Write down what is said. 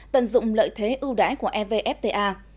tận dụng lợi thế ưu đãi của evfta